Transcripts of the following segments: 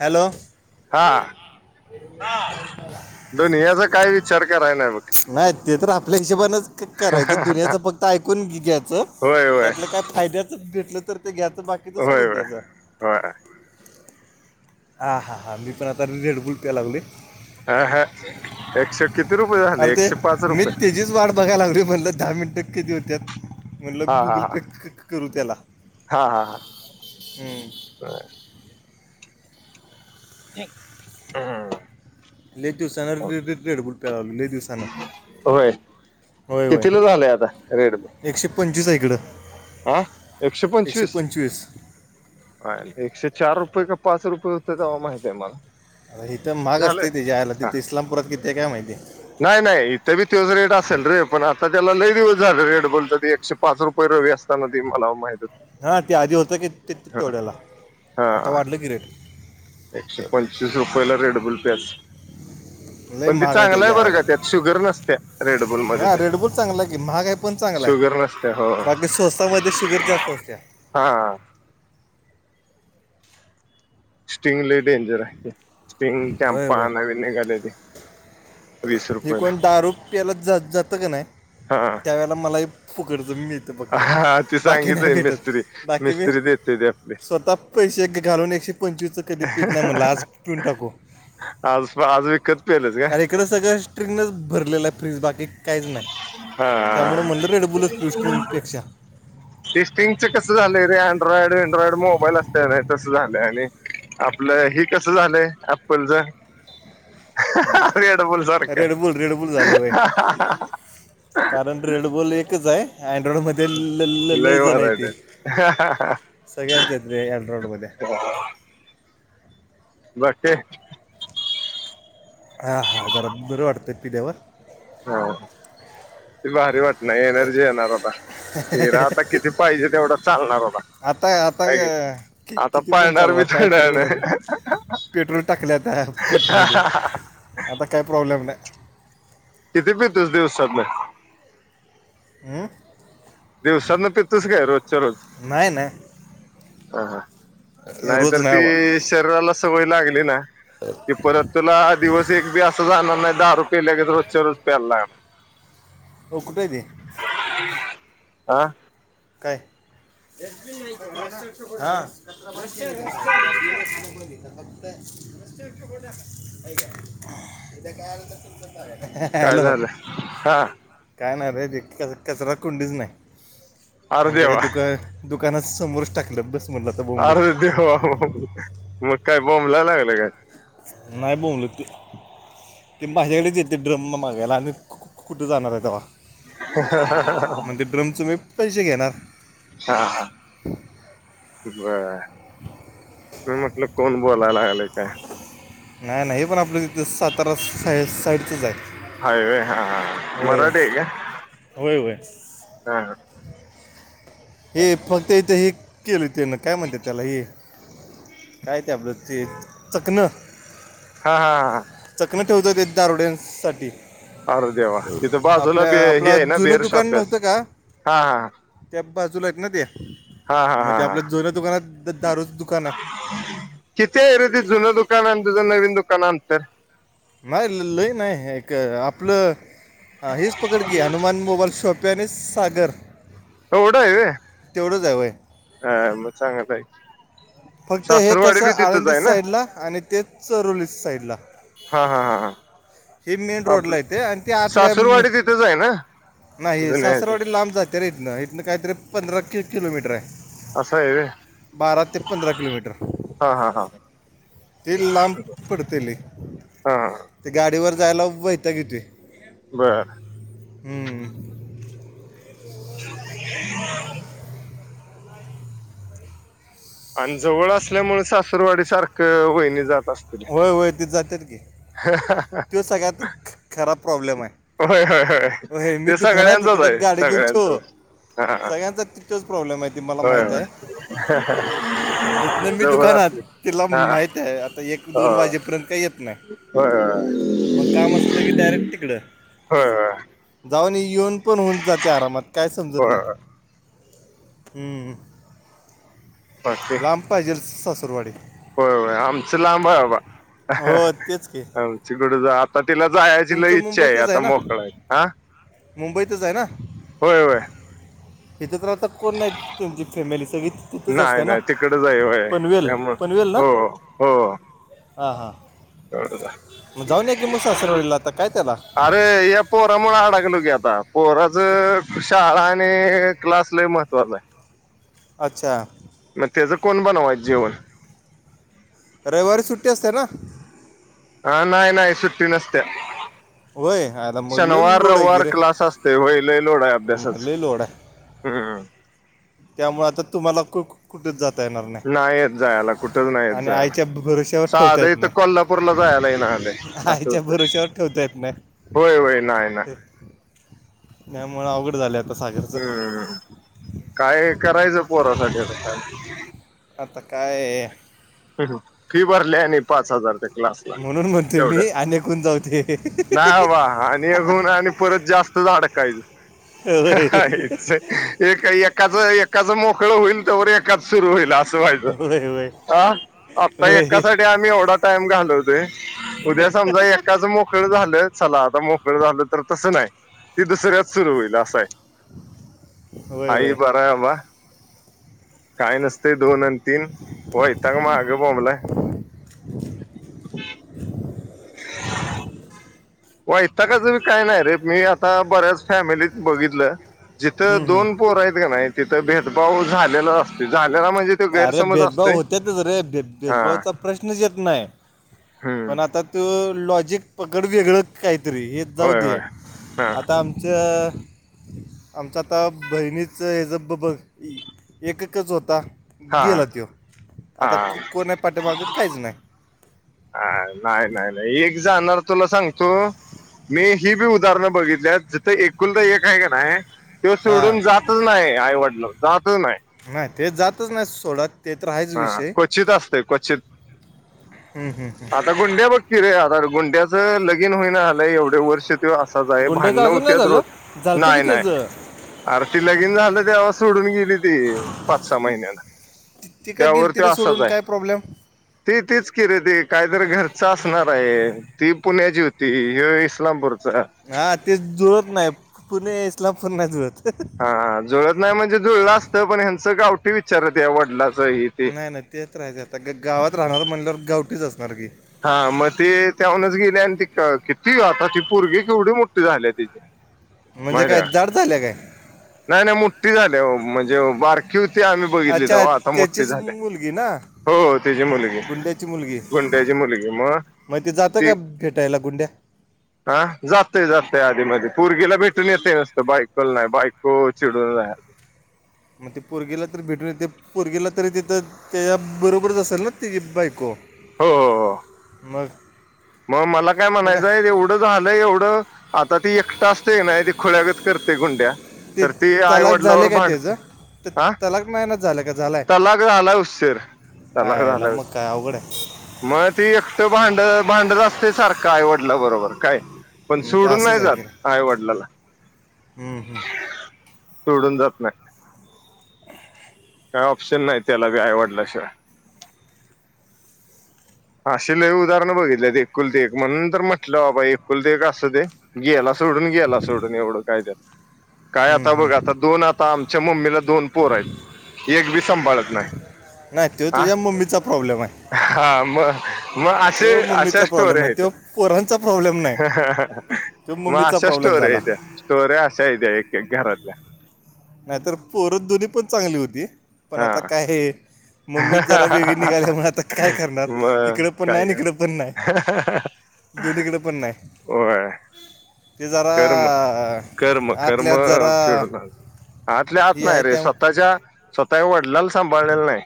Hello. हा दुनियाचा काय विचार कराय नाही बघ. नाही. ते तर आपल्या हिशेबनच करायचं दुनियाचं फक्त ऐकून घ्यायचं होय त्या होय आपल्या काय फायद्यात भेटलं तर ते घ्याच बा व्हय व्हय. व्हय. हा हा हा. मी पण आता रेड बुल प्या लागलोय. अ ह एकशे किती रुपये झाले एकशे पाच रुपये? तेच वाट बघा लागलोय म्हणलं दहा मिनिटं कधी होत्यात? म्हणल हा हा गुगल हा पे करू त्याला. हम्म. बरं. थँक लय दिवसान र रेडबुल प्या लागलोय दिवसान होय. कितीला झालंय आता रेड एकशे पंचवीस हाय इकडं. हा एकशे पंचवीस एकशे चार रुपये का पाच रुपये होते तेव्हा माहितय आहे मला अ हिथं माग झालं असते ते ज्यायला हा तिथे इस्लामपुरात कितीे काय माहिती नाही नाही. इथे बी त्योच रेट असेल रे पण आता त्याला लय दिवस झालं रेट बोलतो ते एकशे पाच रुपये असं नाते मला माहितच हा ते आधी होतं की ते तेवढ्याला, हा आता वाढलं की रेट. तस रुपयला रे डबल पेज लय महागा तेच्या काय का नाही त्यात शुगर नसत्या रेडबुल मध्ये हा त्या रेड बर चांगला आहे की महागा आहे पण चांगला आहे शुगर नसत्या हो बाकी स्वस्तामध्ये शुगर जास्त असत्या हा स्ट्रिंगले डेंजर आहे स्ट्रिंग होय कॅमप होय नवीन निघाले ते वीस हे रुपयाला कोण दारू पियला जातं का नाही हा त्यावेळे ला मला पुकडचं मिळत ते बघत हा ते बाकी नाही सांगितलंय भेटत मिस्त्री बाकी मी मिस्त्री देते ते आपले स्वतः पैसे घालून एकशे पंचवीसचं कधी पीट नाही म्हटलं आज पिटून टाकू आज आज पेलच का कार इकडं सगळं स्ट्रिंगनेच भरलेलं आहे फ्रीज बाकी काहीच नाही. त्यामुळे हा म्हणलं रेडबुलच पष्टपेक्षा सिस्टिंगचे कसं झालंय रे अँड्रॉइड वेनड्रॉइड मोबाईल असत नाही तसं झालं आणि आपलं हे कसं झालंय अप्पलच [unintelligible] अड पुोलसार का रेडबुल रेडबुल झालं [unintelligible] रेड बॉल एकच आहे अँड्रॉइड मध्ये ते लल लई लय व्हरायटी जणयती आहेत सगळ्यांच येत रे एड रोडमध्येध्ये बस हां हां जरा बरं वाटतते पिल्या वर हा ते भारी वाट नाही एनर्जी येणार आता हिरा आता किती पाहिजे तेवढं चालणार होता आता आता हाय की नाय आता किती पण पाळणार बी चालवा काय थोड्या वेळानं फरकणार पेट्रोल टाकल्यात आहे पोटामध्ये आता काय प्रॉब्लेम नाही किती पितोस दिवसातून हं दिवसात न पितोस काय काय रोजच्या रोज नाही ना ह ह रोज नाहीतर नाही ती बा शरीराला सवय लागली ना ते परत तुला दिवस एक बी असं जाणार नाही दारू पेल्या गे रोजच्या रोज प्यायला लागणार टोकतय ते हा काय हा [unintelligible] ते का काय [unintelligible] [unintelligible] काय हॅलो झालं हा काय ना रे जे कचरा कुंडीच नाही अरे म्ह देवा दुका दुकानाचं समोरच टाकलं बस म्हणलं आता बोंबलत अर्ज देव मग काय बॉम्बला लागलं काय नाहीय बोमलेते ते माझ्याकडेच येते ड्रम मागायला आणि कुठं जाणार आहे तेव्हा ह ह ह म्हण ते ड्रमच मी पैसे घेणार हां हां बर आहे मी म्हटलं कोण बोलायल आल काय नाही नाही पण आपलं सातारा सा साईडचच आहे हायवे हा होय मराठी आहे होय होय का हा हे फक्त इथ हे केलं त्यान काय म्हणते त्याला हे. काय ते आपलं ते चकणं हा हा हा हा चखणं ठेवतात दारुड्यांसाठी अर देेवा तिथं बाजूला ब हे आहे आपलं ना जुनं बिअर दुकान शॉपी आहे नव्हतं का हा. त्या बाजूला आहेत ना त्या हा हा मग हा ते आपल्या हा जुन्या दुकानात दारूच दुकान आहे. किती आहे रे ते जुनं दुकान तुझं नवीन दुकान अंतर? नाही ल लई नाही एक आपलं हेच पकड की हनुमान मोबाईल शॉप पॅनिस सागर एवढं आहे व्हय? तेवढंच हाय व्हयं. हा मग चांगल आहे. फक्त हे सासुरवाडी कसं बी तिथंच आळंदी आहे ना साईडला आणि ते चरोली साईडला. हा हा हा ह हे मेन आपली रोडला येते आणि ते आतल्या म- सासुरवाडी तिथेच आहे ना? नाही जुन्या ह्याचे सासरवाडी लांब जाते रे इथनं इथनं काहीतरी पंधरा किलोमीटर आहे. असं आहे व्हय? बारा ते पंधरा कलोमीटर. हा हा हा ती लांब पडतंय लय. हा हां गाडीवर जायला वैताग येतोय. बरं [unintelligible] आणि जवळ असल्यामुळे सासरवाडी सारख वहिनी जात असतील. व्हयं व्हयं तिथं जातेत कि [unintelligible] त्यो सगळ्यात खराब प्रॉब्लेम आहे होय होय होय हे मी ते दुकानात सगळ्यांचाच तिकडं आहे गाडी घेऊन छु. सगळ्यांचाच हा सगळ्यांचा त्योच प्रॉब्लेम आहे ते मला होय माहित होय आहे इथन मी जवळ दुकानात असले तिला हा माहीत आहे आता एक दोन वाजेपर्यंत काही येत नाही. हो होय मग काम असलं की डायरेक्ट तिकडं होय होय जाऊन येऊन पण होऊन जाते आरामात काय समजत होय नाही. हम्म लांब पाहिजेल सासुरवाडी हो आमचा लांब आहे बाबा हो तेच की आमची कुठं जात आता तिला जायची लई तुमचं इच्छा आहे मुंबईतच आता ना मोकळा हा मुंबईतच आहे ना? होय होय इथ तर आता कोण नाही त्यांची फॅमिली सगळी तिथच नाही असते ना नाही तिकडच आहे होय पनवेल त्यामुळं पनवेल ना हो हो हा हा जाऊन या की मग सासरवाडीला आता काय त्याला. अरे या पोरा मुळ अडकलो की आता पोराच शाळा आणि क्लास लय महत्वाचा आहे. अच्छा मग त्याचं कोण बनवायचं जेवण? रविवारी सुट्टी असते ना? हा नाही नाही सुट्टी नसते. होय आला मग लय शनिवार लोड आहे की रविवार रे क्लास असते होय लई लोढ आहे हम्म, अभ्यासाच. लय लोड आहे हम्म त्यामुळे आता तुम्हाला खूप नाही येत जायला कुठच नाही येत आणि जायला आईच्या भरोश्यावर ठेवता साध येत हिथं नाही कोल्हापूरला जायला येई ना झाले अस आईच्या होते भरोश्यावर ठेवता येत नाही होय होय नाही ना नाहीमुळ अवघड झालं आता सागरचं हम्म काय करायचं पोरासाठी आता काय. आता काय. ह फीवरर ल्याणे पाच हजार त. म्हणून म्हणतोय व मी अनेकून जाऊ दे नाही वा आणि अून आणि परत जास्त. त अड कायू. [inaudible] एकाच एकाच मोकळं होईल तरवर एकाच सुरू होईल अस. होय होय आता एका होय सा आम्ही एवढा टाइम घालवते उद्या समजा एकाच. मोकळ झालंय चला आता मोकळ झालं तर तसं नाही ती दुसऱ्यात सुरू होईल असं आहे. होय हाई हे होय बरं आहे बाबा. काय नसते दोन आणि तीन वैताग मागं. क बला. [unintelligible] वैताग चं काय नाही रे मी आता बऱ्याच फॅमिलीत बघितलं जिथं हम्म, दोन हम्म. पोर आहेत का नाही तिथं भेदभाव झालेला असते झालेला म्हणजे. तो अरे गैरसमज भेदभाव असतोय होतच रे भेद हा भेदभावचा प्रश्नच येत नाही हम्म पण आता. त लॉजिक पकड वेगळं काहीतरी हे जाऊ होय दे. होय हा आता आमच. आमचा आता बहिणीच ह ज ब बघ एककच होता. हा गेला तो आता हा कोणा पाटेमागे काहीच नाही. अ नाही नाही नाही एक जाणार तुला सांगतो. मी ही बी उदाहरणं बघितली जिथं एकूल तर एक आहे का नाही. तो हां सोडून जातच नाही आईवडल जातच नाही. नाही ते जातच नाही सोडत. ते तर आहेच हा विषय. क्वचित असतय क्वचित आता गुंड्या बघकीि रे आ गुंड्याचं लगीन होईन आलंय एवढे वर्ष त अस. आहे गुंड्याचं भांडण अजून नाही होतत झालं रोज झालं की नाही नाही. त्याचं आरती लगेन झालं तेव्हा सोडून गेली तेी पाच सहा महिन्याला. ती- ती काय गेल तिे सोडून काय प्रॉब्लेम तेी तेच कि र ते काहीतरी घरच असणार आहे ती पुण्याची होती हे इस्लामपूरचा हा ते जुळत नाही पुणे इस्लामपूर नाही जुळत हा जुळत नाही म्हणजे जुळलं असतं पण ह्यांचं गावठी विचारत या वडलाच नाही नाही तेच राहायचं आता गावात राहणार म्हणल्यावर गावटीच असणार की हा मग ते त्याहनच गेले आणि ती किती आता ती परगी केवढी मोठी झाली तची [inaudible] म्हणजे काय दट झाल्या काय नाही नाही मोठठी झाली म्हणजे बार किुती आम्ही बघितली अच्छा जावा आता मोठीे त्याचीच झाले मुलगी ना हो त्याची मुलगी गुंड्याची मुलगी गुंड्याची मुलगी मग ते जात का भेटायला गुंड्या ह हा जातय जातय आधीमध्ये परगीला भेटून येतय नसतं बायकोला नाही बायको चिडून जाला मग ते पोरगेला तर भेटून येते पुोरगेला तरी तिथं त्याच्या बरोबरच असेल ना तिचीी बायको हो हो हो मग मग मला काय म्हणायचंय तेवढं एढं झालं एवढं आता ती एकटा असते नाही ती खोळ्यागत करते गुंड्या ते तर ती तलाक झाले आईवडिलावर काय भांडते त्याचं तर हा तलाक नाही ना झालं तलाक झालाय उशीर हा तलाक झाला उशीर लमका अघडे मग ती एकटं भांड भांडत असते सारखं आहे वडला बरोबर काय पण हम्म, ते सोडून असंच नाही आहे की जात रे. आईवडलाला हम्म, हम्म, सोडून जात नाही काय ऑप्शन नाही त्याला बी आवडल्याशिवाय अशी लय उदाहरणं बघितली ते एकुल ते एक म्हण तर म्हटलं बाबा एकुल ते एक असं ते ग्यायला सोडून ग्यायला सोडून एवढं कायद्यात काय हम्म, आता बघ हम्म. आता दोन आता आम च्या मम्मीला दोन पोर आहेत एक बी सांभाळत नाही नाही तो हा तुझ्या मम्मीचा प्रॉब्लेम आहे हा मग मग असे तो अशा मम्मीचा प्रॉब्लेम स्टोर्या ह आहे त्या तो पोरांचा प्रॉब्लेम नाही तो मग मम्मीचा अशा प्रॉब्लेम स्टोर झाला येत्या स्टोर आहे अशा आहे्या एक घरातल्या नाहीतर पोरत दोन्ही पण चांगली होती पण आता हा काय मम्मीच जरा वेगळी निघाली म आता काय करणार मग इकडं पण काय नाही इकडं पण नाही कर दोन्हीकडे पण नाही होय ते जरा कर्म कर्म कर्म आतल्यात जरा फेडून आलं आतल्या आत हे नाही आहे रे त्या स्वतःच्या स्वतःच्या वडिलाला सांभाळलेला नाही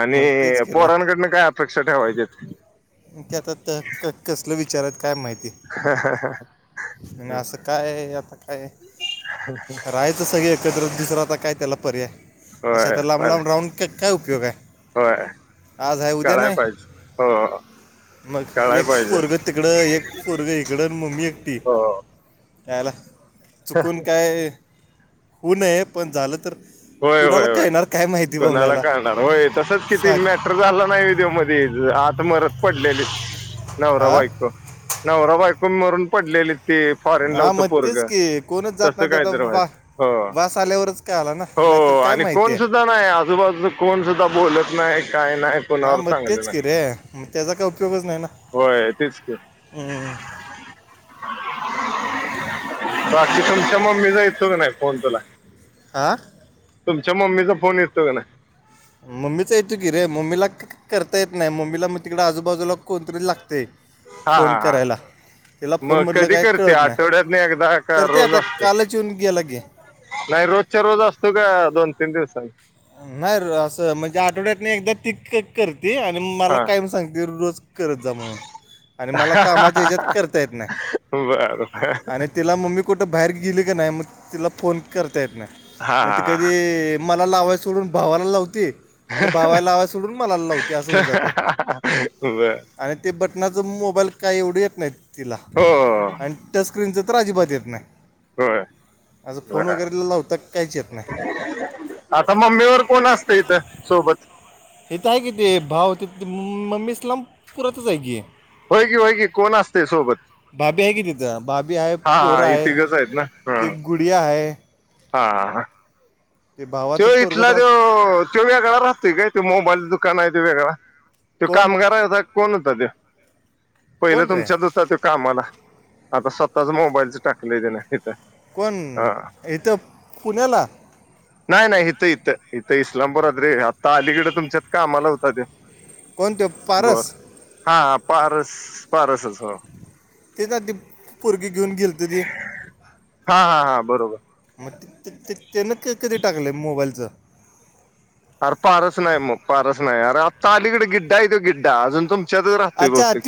आणि मग तेच खरं आहे पोरांकडनं काय अपेक्षा ठेवायची ते त्या आत त क कसलं विचार आहेत काय माहिती हा हा हा हा आणि असं काय आता काय हम हम राहायचं सगळे एकत्र दुसरं आता काय त्याला पर्याय अशा होय आता लांब फार लांब राहंड काय उपयोग आहे होय आज आहे उद्या कलाय नाही पाहिजे हो मग कळाय एक पाहिजे पोरगं तिकडं एक पोरगं इकडे मम्मी एकटी हो त्यायला चुकून काय होऊ नये पण झालं तर होय कुणाला होय होय कळणार काय माहिती कोणाला बमल्याला काणार होय तसच किती सांग मॅ झाला नाही विदओ मध्ये आत मरत पडलेले नवरा हा बायको नवरा बायकूम मरून पडलेली ते फॉरेन हा लावत मग पोरग तेच की तसं काय तर व्हायचं हो चाल्यावरच काय आला ना नाहीतर हो काय आणि माहिती कोण आहे सुद्धा नाही आजूबाजू कोण सुद्धा बोलत नाही काय नाही हा कोणावर मग चांगलं तेच के नाही रे मग त्याचा काय उपयोगच नाही ना होय तेच ख हम्म. बाकी तुमच्या मम्मी जा इ क नाही फोन तुला आ तुमच्या मम्मीचा फोन येतो का ना मम्मीच येतो की रे मम्मीला करता येत नाही मम्मीला मग तिकडे आजूबाजूला कोणतरी लागते हा फोन हा हा करायला त्याला मग फोनमधलं कधी काय करते कळत आठवड्यात एकदा नाही का करते रोज आता असते कालच येऊन ग्याला गे नाही रोजच्या रोज असतो का दोन तीन दिवसांनी नाही र असं म्हणजे आठवड्यात नाही एकदा तीख करते आणि मला हा काय म सांगते रोज करत जा म्हणून आणि मला कामाच्या ह्याच्यात करता येत नाही बर बर आणि तिला मम्मी कुठं बाहेर गेली का नाही मग तिला फोन करता येत ना हा मग ते कधी हा मला लावाय सोडून भावना लावते आणि भावाला आवाज सोडून मला लावते असं होऊन जाते बर आणि ते बटनाचां मोबाईल काय एवढे येत नाही तिला ह आणि टच स्क्रीनच तर, अजिबात येत नाही. होय असं फोन बर वगैरे लावता, काहीच येत नाही. आता मम्मीबर कोण, असतं इथं सोबत. हेथ आहे की ते भाव ते मम्मी सलाब पुरातच आहे की होय की होय की कोण असते सोबत भाभी आहे कि तिथं भाभी आहे हा हा पोरा हे आहे तिघच आहेत ना हा ते गुडया आहे हा, हा, ते तो भावाचं पोरगत इथला राहत तो तो वेगळा राहतोय ग, ते मोबाईल दुकान आहे ते वेगळा, तो कोण कामगारा होतका, कोण होता तो, पहिले कोण रे तुमच्यात होता तो, कामाला आता स्वतःच मोबाईलच टाकले, त्यान इथं. कोण? हा इथं, पुण्याला! नाही, नाही, इथं, इथं इथं इस्लामपुरात रे आत्ता अलीकडे, तुमच्यात कामला होत तो. कोण तो? गोर पारस, हा, हा पारस पारसच, हो. तेच ना ते पोरगी, घेऊन गेलत ते, हा, हा, हा बरोबर. मग, तेना कधी टाकले मोबाईलचं? अरे पारच नाही मग, पारस नाही अर आता अलीकडे गिड्डा, आहे तो गिड्डा, अजून तुमच्यातच राहतोय अच्छा ती बहुतेक.